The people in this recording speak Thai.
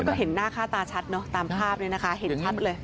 ก็เห็นหน้าค่าตาชัดเนอะตามภาพเนี่ยนะคะเห็นชัดเลย